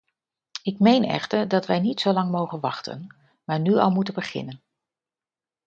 Ik meen echter dat wij niet zolang mogen wachten, maar nu al moeten beginnen.